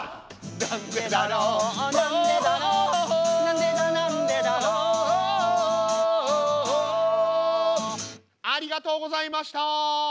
なんでだろうなんでだろうなんでだなんでだろうありがとうございました。